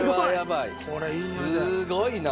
すごいな！